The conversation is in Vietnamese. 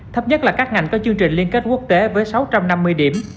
thấp nhất là các ngành có chương trình liên kết quốc tế với sáu trăm năm mươi điểm